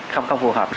không phù hợp